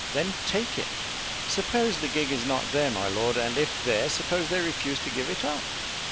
"Then take it." "Suppose the gig is not there, my lord, and if there, suppose they refuse to give it up?"